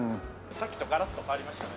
さっきとガラッと変わりましたね。